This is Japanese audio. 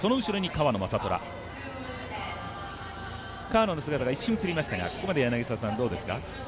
川野の姿が一瞬映りましたがここまで柳澤さん、どうですか？